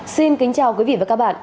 xin kính chào quý vị và các bạn